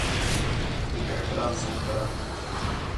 ہِک احترام ساں کھڑݨ